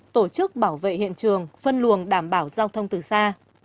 tổ chức bảo vệ hiện trường phân luồng đảm bảo giao thông từ xa